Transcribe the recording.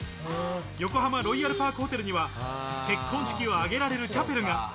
横浜ロイヤルパークホテルには結婚式を挙げられるチャペルが。